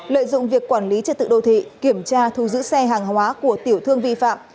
lợi dụng việc quản lý trật tự đô thị kiểm tra thu giữ xe hàng hóa của tiểu thương vi phạm